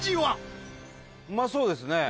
うまそうですね！